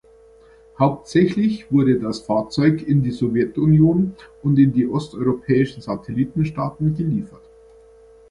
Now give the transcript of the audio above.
Hauptsächlich wurde das Fahrzeug in die Sowjetunion und in die osteuropäischen Satellitenstaaten geliefert.